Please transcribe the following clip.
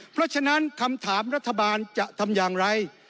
เพราะฉะนั้นคำถามรัฐบาลจะทำอย่างไร